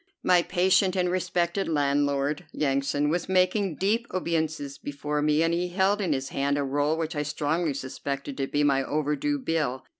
My patient and respected landlord, Yansan, was making deep obeisances before me, and he held in his hand a roll which I strongly suspected to be my overdue bill.